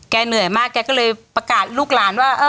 เหนื่อยมากแกก็เลยประกาศลูกหลานว่า